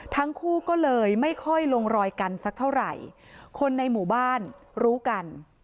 ทั้งคู่ก็เลยไม่ค่อยลงรอยกันสักเท่าไหร่คนในหมู่บ้านรู้กัน